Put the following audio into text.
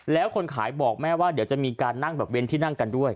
แล้วคนขายบอกแม่ว่าเดี๋ยวจะมีการนั่งแบบเว้นที่นั่งกันด้วย